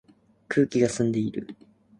空気が澄んでいる